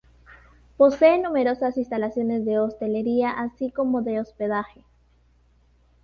Posee numerosas instalaciones de hostelería así como de hospedaje.